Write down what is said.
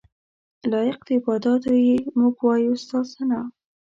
لایق د عباداتو یې موږ وایو ستا ثناء.